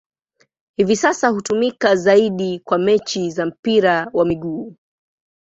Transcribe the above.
Hivi sasa hutumika zaidi kwa mechi za mpira wa miguu.